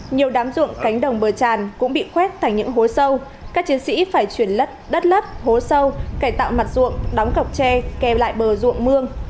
nhiều đám ruộng cánh đồng bờ tràn cũng bị khuét thành những hố sâu các chiến sĩ phải chuyển đất đất lấp hố sâu cải tạo mặt ruộng đóng cọc tre keo lại bờ ruộng mương